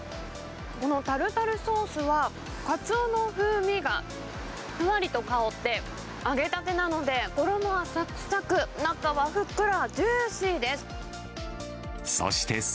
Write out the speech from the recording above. このタルタルソースは、カツオの風味がふわりと香って、揚げたてなので、衣はさくさく、中はふっくらジューシーです。